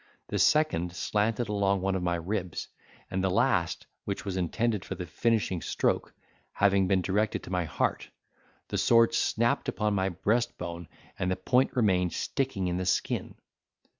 The second slanted along one of my ribs; and the last, which was intended for the finishing stroke, having been directed to my heart, the sword snapped upon my breast bone, and the point remained sticking in the skin.